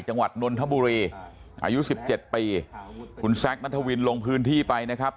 จังหวัดนนทบุรีอายุ๑๗ปีคุณแซคณฑวินลงพื้นที่ไปนะครับ